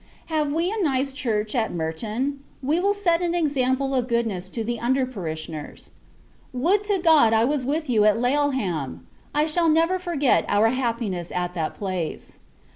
Have we a nice church at Merton? We will set an example of goodness to the under parishioners. Would to God, I was with you at Laleham. I shall never forget our happiness at that place. Mr.